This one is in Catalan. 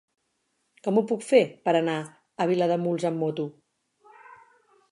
Com ho puc fer per anar a Vilademuls amb moto?